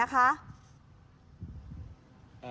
อ่าเราโดนใช้มีดแทด